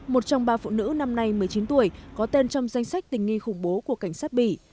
một trong ba phụ nữ năm nay một mươi chín tuổi có tên trong danh sách tình nghi khủng bố của cảnh sát bỉ